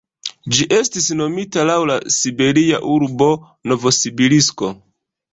Ĝi estis nomita laŭ la siberia urbo Novosibirsko.